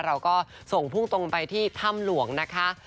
เราก็ส่งพุ่งตรงไปที่ถ้ำหลวงนะคะ